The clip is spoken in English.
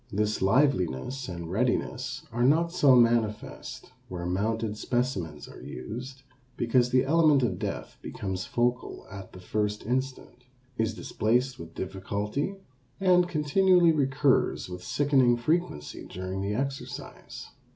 This liveliness and readiness are not so manifest where mounted specimens are used, because the element of death becomes focal at the first instant, is displaced with difficulty, and continually recurs with sickening frequency during the exercise.